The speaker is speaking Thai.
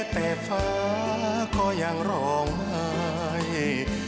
แต่ฟ้าก็ยังร้องไห้